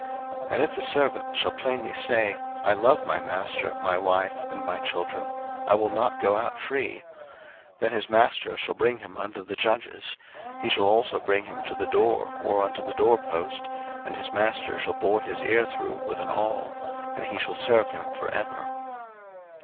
02:021:005 And if the servant shall plainly say, I love my master, my wife, and my children; I will not go out free: 02:021:006 Then his master shall bring him unto the judges; he shall also bring him to the door, or unto the door post; and his master shall bore his ear through with an aul; and he shall serve him for ever.